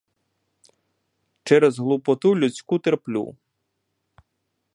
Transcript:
Через глупоту людську терплю.